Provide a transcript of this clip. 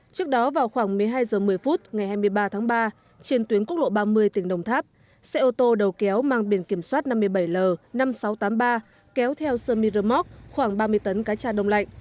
trước đó vào khoảng một mươi hai h một mươi phút ngày hai mươi ba tháng ba trên tuyến quốc lộ ba mươi tỉnh đồng tháp xe ô tô đầu kéo mang biển kiểm soát năm mươi bảy l năm nghìn sáu trăm tám mươi ba kéo theo sơ mi rơ móc khoảng ba mươi tấn cá cha đông lạnh